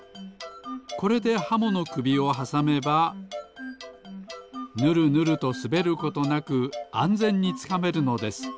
これでハモのくびをはさめばぬるぬるとすべることなくあんぜんにつかめるのです。